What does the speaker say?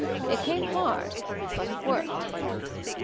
It came hard, but it worked."